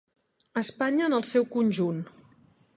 Espanya en el seu conjunt.